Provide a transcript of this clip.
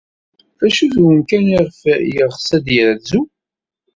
D acu n umkan ayɣef yeɣs ad yerzu?